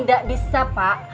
indah bisa pak